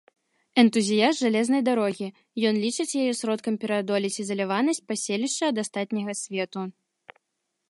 Энтузіяст жалезнай дарогі, ён лічыць яе сродкам пераадолець ізаляванасць паселішча ад астатняга свету.